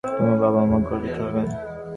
তোমার বাবা-মা গর্বিত হবেন।